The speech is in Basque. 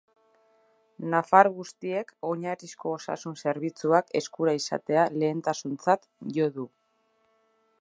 Nafar guztiek oinarrizko osasun zerbitzuak eskura izatea lehentasuntzat jo du.